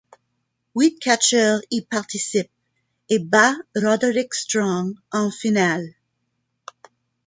Huit catcheurs y participent et bat Roderick Strong en finale.